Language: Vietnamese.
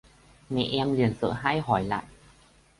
Mẹ em liền sợ hãi hỏi lại